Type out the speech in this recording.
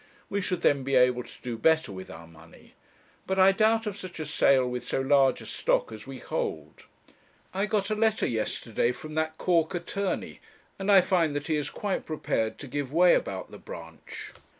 We should then be able to do better with our money. But I doubt of such a sale with so large a stock as we hold. I got a letter yesterday from that Cork attorney, and I find that he is quite prepared to give way about the branch.